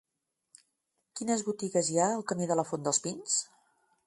Quines botigues hi ha al camí de la Font dels Pins?